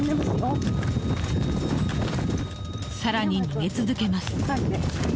更に、逃げ続けます。